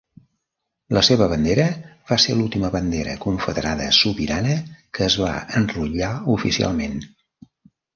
La seva bandera va ser l'última bandera confederada sobirana que es va enrotllar oficialment.